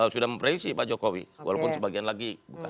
sudah mempreisi pak jokowi walaupun sebagian lagi